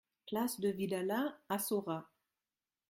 Place de Vidalat à Saurat